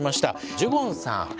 ジュゴンさん。